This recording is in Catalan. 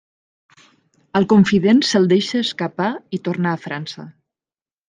Al confident se’l deixa escapar i tornar a França.